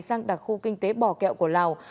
sang đặc khu kinh tế bò kẹo của lào